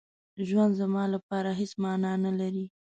ژوند زما لپاره هېڅ مانا نه لري.